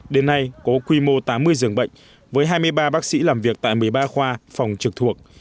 đến nay có quy mô tám mươi giường bệnh với hai mươi ba bác sĩ làm việc tại một mươi ba khoa phòng trực thuộc